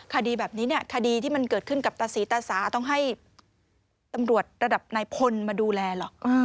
คดีแบบนี้เนี่ยคดีที่มันเกิดขึ้นกับตาศรีตาสาต้องให้ตำรวจระดับนายพลมาดูแลหรอก